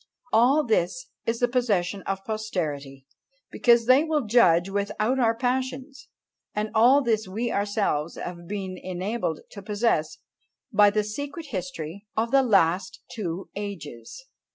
All this is the possession of posterity, because they will judge without our passions; and all this we ourselves have been enabled to possess by the secret history of the last two ages!